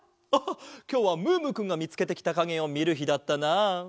ああきょうはムームーくんがみつけてきたかげをみるひだったなあ。